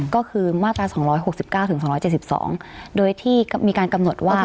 ก็คือมาตรา๒๖๙ถึง๒๗๒โดยที่มีการกำหนดว่า